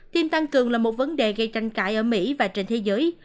tin tăng cường là một vấn đề gây tranh cãi ở mỹ và trên thế giới